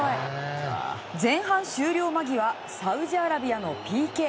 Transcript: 前半終了間際サウジアラビアのＰＫ。